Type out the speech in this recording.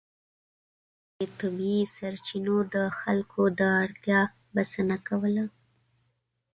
د سیمې طبیعي سرچینو د خلکو د اړتیا بسنه کوله.